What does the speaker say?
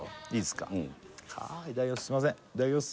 かあいただきます